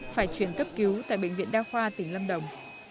phải chuyển cấp cứu tại bệnh viện đa khoa tỉnh lâm đồng